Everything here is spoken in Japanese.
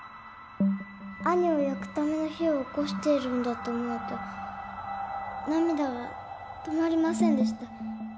兄を焼くための火をおこしているんだと思うと涙が止まりませんでした。